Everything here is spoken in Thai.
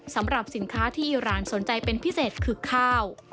สำหรับสินค้าที่ร้านสนใจเป็นพิเศษคือข้าว